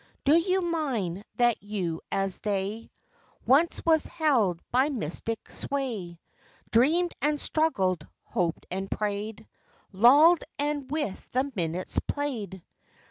Do you mind that you as they Once was held by mystic sway; Dreamed and struggled, hoped and prayed, Lolled and with the minutes played?